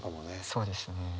そうですね。